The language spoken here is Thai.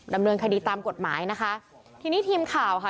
ดำเนินคดีตามกฎหมายนะคะทีนี้ทีมข่าวค่ะ